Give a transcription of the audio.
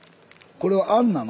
これはあんなの？